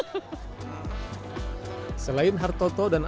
hai selain hartoto dan